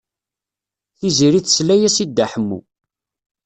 Tiziri tesla-as i Dda Ḥemmu.